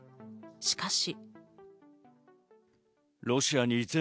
しかし。